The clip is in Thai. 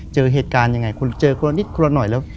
เจอเหตุการณ์ยังไงคุณเจอคนละนิดคนละหน่อยแล้ว